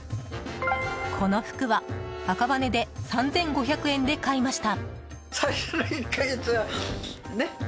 この服は赤羽で３５００円で買いました。